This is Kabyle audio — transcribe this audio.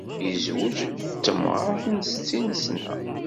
Yezweǧ d temɣart n settin sna.